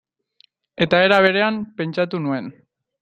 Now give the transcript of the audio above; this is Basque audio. Eta era berean, pentsatu nuen.